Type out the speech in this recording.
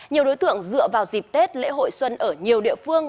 nhiều đối tượng dựa vào dịp tết lễ hội xuân ở nhiều địa phương